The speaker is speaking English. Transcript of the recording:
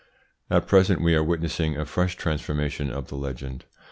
At present we are witnessing a fresh transformation of the legend.